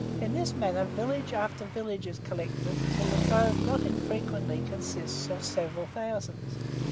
In this manner village after village is collected, till the drove not unfrequently consists of several thousands.